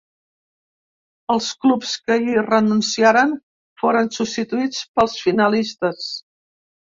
Els clubs que hi renunciaren foren substituïts pels finalistes.